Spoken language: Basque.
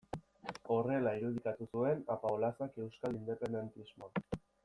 Horrela irudikatu zuen Apaolazak euskal independentismoa.